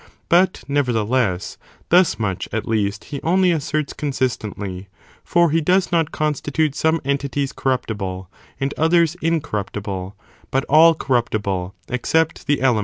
But, nevertheless, thus much, at least, he only asserts consistently, for he does not constitute some entities corruptible and others incorruptible, but all corrupt ible, except the elements.